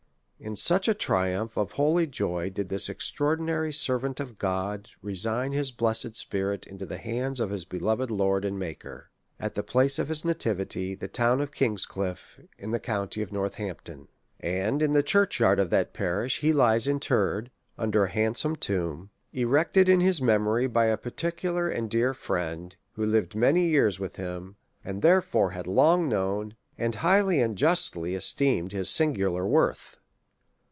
In such a triumph of holy joy did this extraordinary servant of God resign his blessed spirit into the hands of his beloved Lord and Master, at the place of his nativity, the town of King's Cliife, in the county of Northampton! And in the church yard of that pa rish he lies interred, under a handsome tomb, erected X SOME ACCOUNT OP to his memory by a particular and dear friend^ who lived many years with him, and therefore had long known, and highly and justly esteemed his singular worth.